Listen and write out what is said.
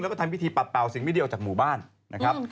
แล้วก็ทำพิธีปัดเป่าสิ่งไม่ดีออกจากหมู่บ้านนะครับ